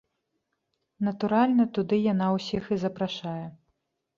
Натуральна, туды яна ўсіх і запрашае.